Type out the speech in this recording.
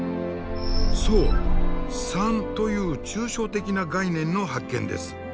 そう「３」という抽象的な概念の発見です。